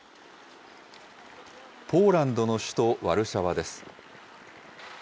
ポーランドの首都ワルシャワです。